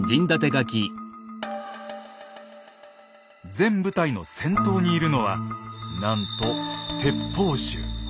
全部隊の先頭にいるのはなんと「鉄砲衆」。